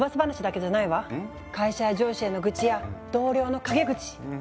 会社や上司への愚痴や同僚の陰口